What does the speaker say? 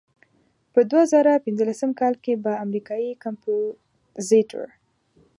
په دوه زره پنځلسم کال کې به امریکایي کمپوزیتور.